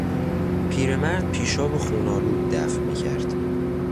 پیرمرد پیشاب خون آلود دفع میکرد.